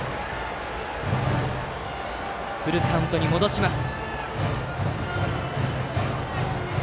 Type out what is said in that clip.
フルカウントに戻します。